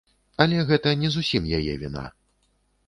Але гэта не зусім яе віна.